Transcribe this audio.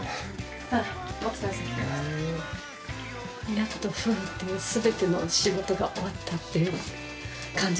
やっと「ふう」っていう全ての仕事が終わったっていう感じですかね。